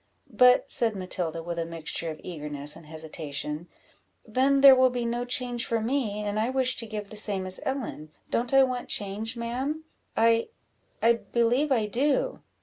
"But," said Matilda, with a mixture of eagerness and hesitation, "then there will be no change for me, and I wish to give the same as Ellen; don't I want change, ma'am? I I believe I do."